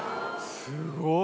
すごい！